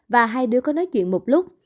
và hai đứa có nói chuyện một lúc